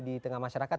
di tengah masyarakat